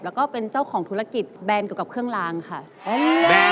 แล้วก็เป็นเจ้าของธุรกิจแบรนด์เกี่ยวกับเครื่องลางค่ะ